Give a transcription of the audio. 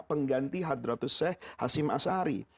pengganti hadratul sheikh hasim as'ari